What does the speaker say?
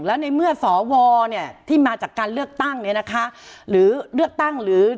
แล้วในเมื่อสวเนี่ยที่มาจากการเลือกตั้งเนี่ยนะคะหรือเลือกตั้งหรือ